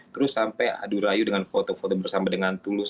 terus sampai adu rayu dengan foto foto bersama dengan tulus